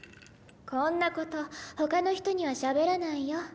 こんなことほかの人にはしゃべらないよ。